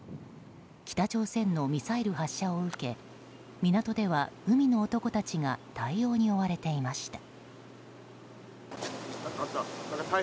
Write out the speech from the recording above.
北朝鮮のミサイル発射を受け港では海の男たちが対応に追われていました。